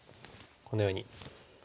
このように。